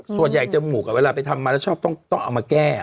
ส่วนใหญ่จมูกอะเวลาไปทำมาแล้วชอบต้องเอามาแก้